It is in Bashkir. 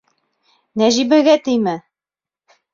Нәжибәгә теймә.